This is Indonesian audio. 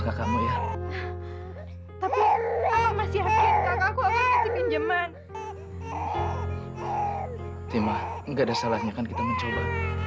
gak ada salahnya kan kita mencoba